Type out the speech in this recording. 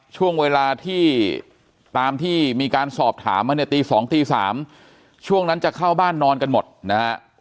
ช่วงเวลาที่ตามที่มีการสอบถามมาเนี่ยตี๒ตี๓ช่วงนั้นจะเข้าบ้านนอนกันหมดนะฮะ